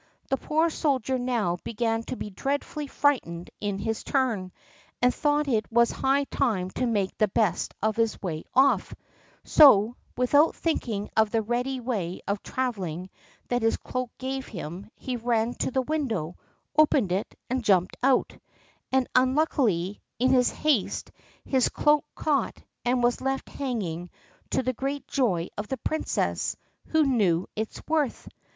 The poor soldier now began to be dreadfully frightened in his turn, and thought it was high time to make the best of his way off; so, without thinking of the ready way of traveling that his cloak gave him, he ran to the window, opened it, and jumped out; and unluckily, in his haste, his cloak caught and was left hanging, to the great joy of the princess, who knew its worth.